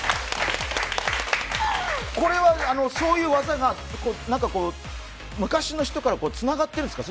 これはそういう技が昔の人からつながってるんですか